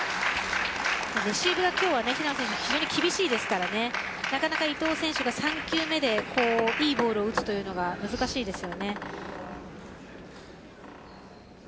レシーブは今日は平野選手、非常に厳しいですからなかなか伊藤選手が３球目でいいボールを打つというのが難しいです。